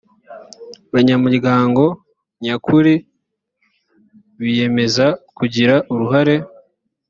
banyamuryago nyakuri biyemeza kugira uruhare